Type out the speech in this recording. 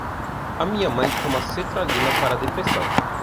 A minha mãe toma sertralina para a depressão